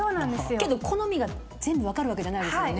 けど好みが全部分かるわけじゃないですもんね。